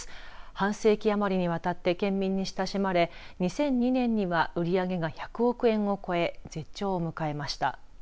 半世紀余りにわたって県民に親しまれ２００２年には売上が１００億円を超え絶頂を迎えました。